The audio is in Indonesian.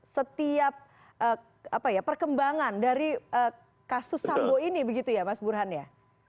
setiap perkembangan dari kasus sambo ini begitu ya mas burhan ya